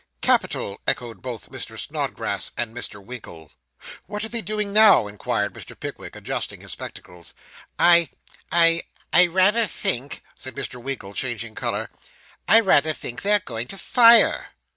'Capital!' echoed both Mr. Snodgrass and Mr. Winkle. 'What are they doing now?' inquired Mr. Pickwick, adjusting his spectacles. 'I I rather think,' said Mr. Winkle, changing colour 'I rather think they're going to fire.